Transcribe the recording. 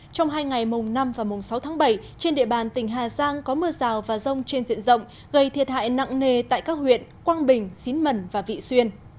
trong hai ngày mùng năm và mùng sáu tháng bảy trên địa bàn tỉnh hà giang có mưa rào và rông trên diện rộng gây thiệt hại nặng nề tại các huyện quang bình xín mần và vị xuyên